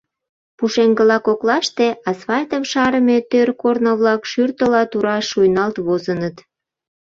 Пушеҥгыла коклаште асфальтым шарыме тӧр корно-влак шӱртыла тура шуйналт возыныт.